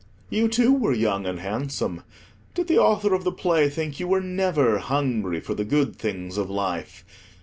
You, too, were young and handsome: did the author of the play think you were never hungry for the good things of life?